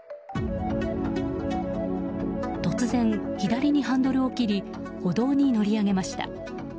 突然、左にハンドルを切り歩道に乗り上げました。